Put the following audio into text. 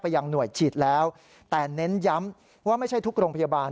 ยังหน่วยฉีดแล้วแต่เน้นย้ำว่าไม่ใช่ทุกโรงพยาบาล